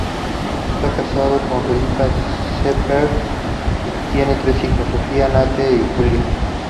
Está casado con Felipa Sheppard, y tiene tres hijos, Sofía, Nate y Julia.